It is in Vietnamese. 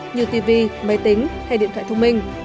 như tv máy tính hay điện thoại thông minh